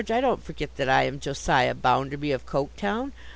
I don't forget that I am Josiah Bounderby of Coketown.